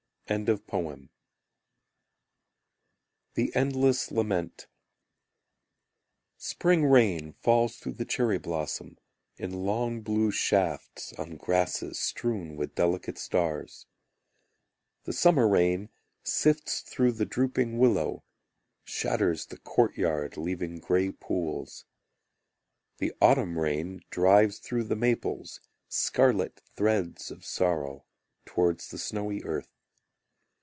The Endless Lament Spring rain falls through the cherry blossom, In long blue shafts On grasses strewn with delicate stars. The summer rain sifts through the drooping willow, Shatters the courtyard Leaving grey pools. The autumn rain drives through the maples Scarlet threads of sorrow, Towards the snowy earth.